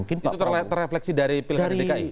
itu terefleksi dari pilkara dki